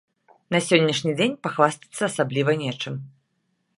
На сённяшні дзень пахвастацца асабліва нечым.